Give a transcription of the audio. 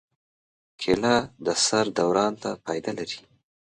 کېله د سر دوران ته فایده لري.